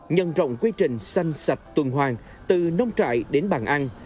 nhân rộng quy trình xanh sạch tuần hoàng từ nông trại đến bàn ăn